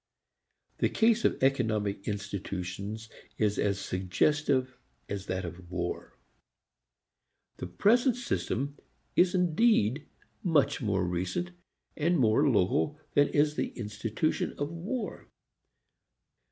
The case of economic institutions is as suggestive as that of war. The present system is indeed much more recent and more local than is the institution of war.